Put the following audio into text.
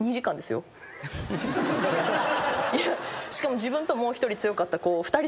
しかも自分ともう一人強かった子。